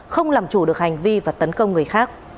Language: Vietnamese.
không làm chủ được hành vi và tấn công người khác